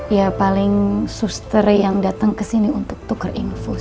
ya paling suster yang datang kesini untuk tuker infus